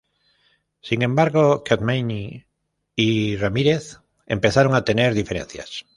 Sin embargo, Capmany y Ramírez empezaron a tener diferencias.